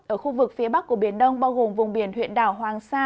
ở khu vực phía bắc của biển đông bao gồm vùng biển huyện đảo hoàng sa